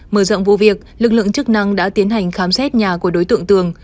mở rộng vụ việc lực lượng chức năng đã tiến hành khám xét nhà của đối tượng tường